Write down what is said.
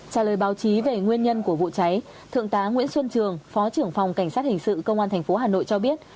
trả lời báo chí về nguyên nhân của vụ cháy thượng tá nguyễn xuân trường phó trưởng phòng cảnh sát hình sự công an tp hà nội cho biết